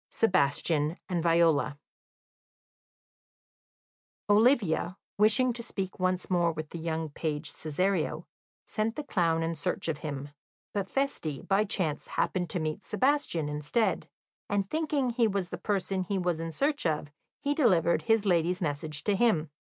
Sebastian and Viola Olivia, wishing to speak once more with the young page Cesario, sent the clown in search of him, but Feste, by chance, happened to meet Sebastian instead, and thinking he was the person he was in search of, he delivered his lady's message to him.